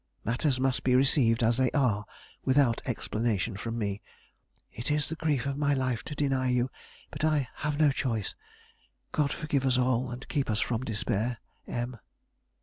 Matters must be received as they are without explanation from me. It is the grief of my life to deny you; but I have no choice. God forgive us all and keep us from despair. "M."